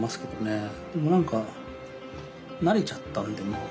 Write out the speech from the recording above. でも何か慣れちゃったんでもう。